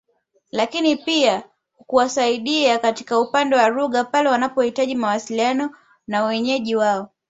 Lakini pia kuwasaidia katika upande wa lugha pale wanapohitaji mawasiliano na wenyeji wao